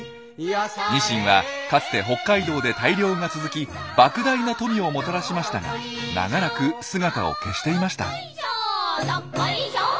ニシンはかつて北海道で大漁が続きばく大な富をもたらしましたが長らく姿を消していました。